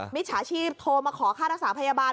มิตรฐาชีพโทรมาขอค่านักศึกษาพยาบาล